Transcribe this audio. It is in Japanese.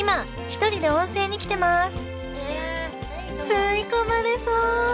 「吸い込まれそう」